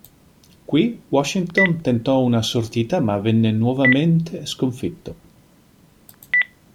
Qui Washington tentò una sortita ma venne nuovamente sconfitto.